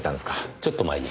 ちょっと前に。